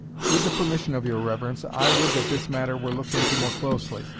With the permission of your reverence, I would that this matter were looked into more closely.